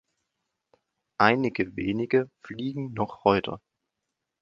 Einige wenige fliegen noch heute.